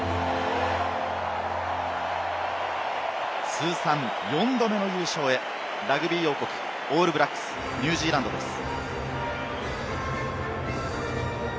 通算４度目の優勝へ、ラグビー王国、オールブラックス・ニュージーランドです。